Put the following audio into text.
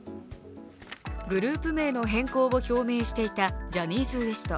グループ名の変更を表明していたジャニーズＷＥＳＴ。